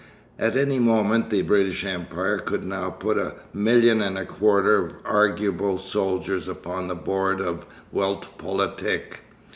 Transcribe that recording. At any moment the British Empire could now put a million and a quarter of arguable soldiers upon the board of Welt Politik.